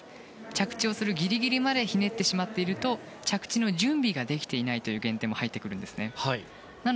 着地をするギリギリまでひねってしまっていると着地の準備ができていないという減点もあるんです。